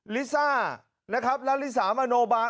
ลิซ่านะครับแล้วลิซ่ามาโนบาน